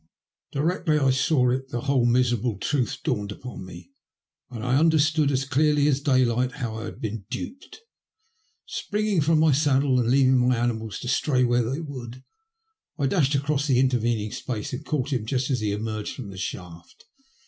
Directly I saw it the whole miserable truth dawned upon me, and I under stood as clearly as daylight how I had been duped. Springing from my saddle and leaving my animals to stray where they would, I dashed across the interven jing space and caught him just as he emerged from the shaft.